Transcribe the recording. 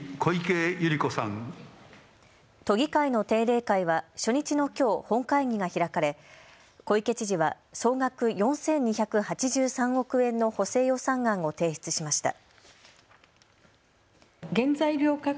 都議会の定例会は初日のきょう、本会議が開かれ小池知事は総額４２８３億円の補正予算案を提出しました。